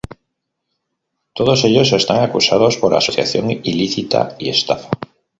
Todos ellos están acusados por asociación ilícita y estafa.